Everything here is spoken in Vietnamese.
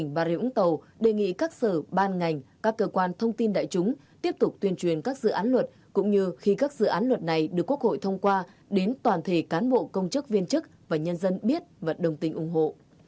bà rịa vũng tàu đề nghị các sở ban ngành các cơ quan thông tin đại chúng tiếp tục tuyên truyền các dự án luật cũng như khi các dự án luật này được quốc hội thông qua đến toàn thể cán bộ công chức viên chức và nhân dân biết và đồng tình ủng hộ